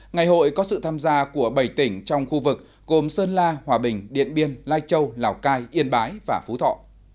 ngày hội có sự tham gia của bảy tỉnh trong khu vực gồm sơn la hòa bình điện biên lai châu lào cai yên bái và phú thọ